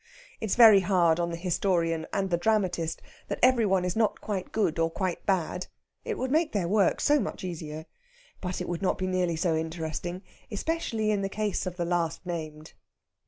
It is very hard on the historian and the dramatist that every one is not quite good or quite bad. It would make their work so much easier. But it would not be nearly so interesting, especially in the case of the last named.